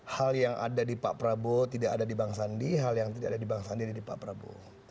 hal yang ada di pak prabowo tidak ada di bang sandi hal yang tidak ada di bang sandi ada di pak prabowo